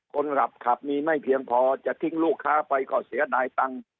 คนขับขับมีไม่เพียงพอจะทิ้งลูกค้าไปก็เสียดายตังค์